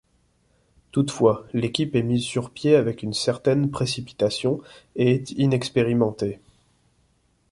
Toutefois, l'équipe est mise sur pied avec une certaine précipitation et est inexpérimentée.